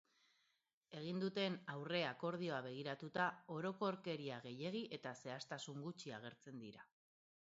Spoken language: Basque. Egin duten aurre-akordioa begiratuta, orokorkeria gehiegi eta zehaztasun gutxi agertzen dira.